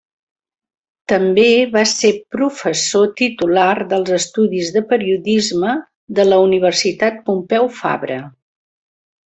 També va ser professor titular dels estudis de Periodisme de la Universitat Pompeu Fabra.